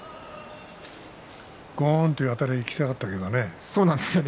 ゴーン！というあたりが聞きたかったけどね。